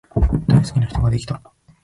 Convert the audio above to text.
大好きな人ができた